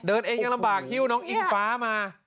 เดินเองยังลำบากหิ้วน้องอิงฟ้ามา